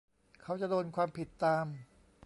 เขาจะโดนความผิดตาม